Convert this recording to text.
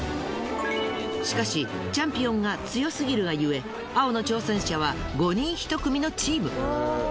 しかしチャンピオンが強すぎるがゆえ青の挑戦者は５人１組のチーム。